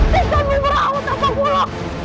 hentikan bumerangmu tapak wulo